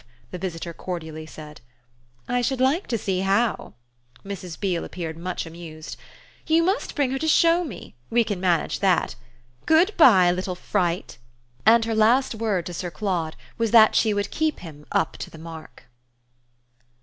the visitor cordially said. "I shall like to see how!" Mrs. Beale appeared much amused. "You must bring her to show me we can manage that. Good bye, little fright!" And her last word to Sir Claude was that she would keep him up to the mark.